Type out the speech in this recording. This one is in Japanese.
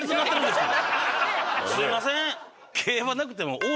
すいません！